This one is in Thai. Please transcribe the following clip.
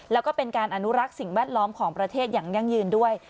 แล้วก็เป็นการอนุรักษ์สิ่งแวดล้อมของประเทศอย่างยั่งยืนด้วย